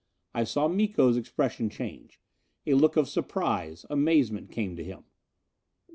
I saw Miko's expression change. A look of surprise, amazement came to him.